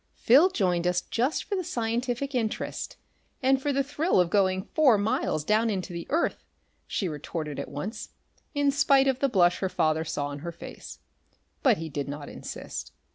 "Phil joined us just for the scientific interest, and for the thrill of going four miles down into the earth," she retorted at once, in spite of the blush her father saw on her face. But he did not insist.